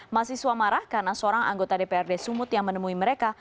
mahasiswa marah karena seorang anggota dprd sumut yang menemui mereka